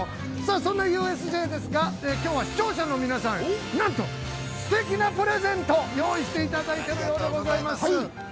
そんなＵＳＪですがきょうは視聴者の皆さんになんとすてきなプレゼントを用意していただいているようでございます。